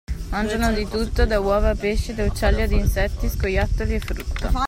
Mangiano di tutto da uova a pesci, da uccelli ad insetti, scoiattoli e frutta.